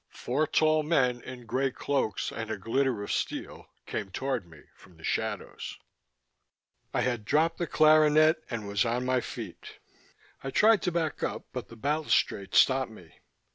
Four tall men in grey cloaks and a glitter of steel came toward me from the shadows. I had dropped the clarinet and was on my feet. I tried to back up but the balustrade stopped me.